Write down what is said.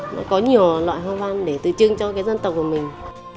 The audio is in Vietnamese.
nó có nhiều loại hoa văn để tự trưng cho cái dân tộc của mình